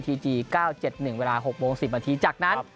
ทีจีนเก้าเจ็ดหนึ่งเวลาหกโมงสิบนาทีจากนั้น